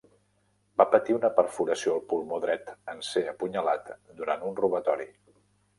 Va patir una perforació al pulmó dret en ser apunyalat durant un robatori.